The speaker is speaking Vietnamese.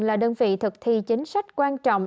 là đơn vị thực thi chính sách quan trọng